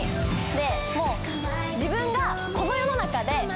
でもう自分がこの世の中で一番。